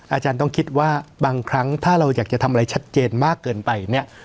อาจารย์ต้องคิดว่าบางครั้งถ้าเราอยากจะทำอะไรชัดเจนมากเกินไปเนี่ย